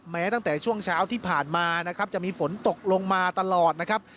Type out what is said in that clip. แม้ตั้งแต่ช่วงเช้าที่ผ่านมานะครับจะมีฝนตกลงมาตลอดนะครับ